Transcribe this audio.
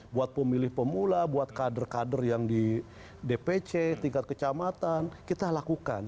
buat pemilih pemula buat kader kader yang di dpc tingkat kecamatan kita lakukan